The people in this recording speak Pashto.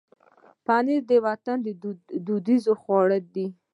پنېر د وطن دودیز خواړه دي.